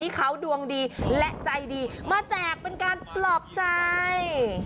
ที่เขาดวงดีและใจดีมาแจกเป็นการปลอบใจ